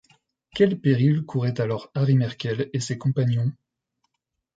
Quels périls courraient alors Harry Markel et ses compagnons?...